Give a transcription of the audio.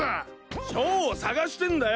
ショーを捜してんだよ。